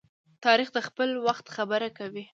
تاریخ د خپل وخت خبره کوي.